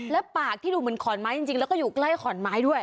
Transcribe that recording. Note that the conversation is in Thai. แล้วปากที่ดูเหมือนขอนไม้จริงแล้วก็อยู่ใกล้ขอนไม้ด้วย